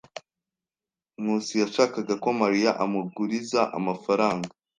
Nkusi yashakaga ko Mariya amuguriza amafaranga.